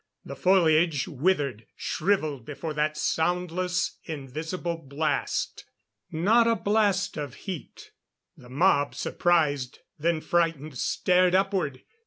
The foliage withered, shriveled before that soundless, invisible blast. Not a blast of heat. The mob, surprised, then frightened, stared upward.